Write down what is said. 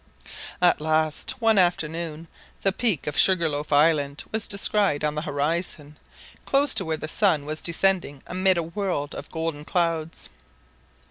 At last, one afternoon, the peak of Sugar loaf Island was descried on the horizon, close to where the sun was descending amid a world of golden clouds.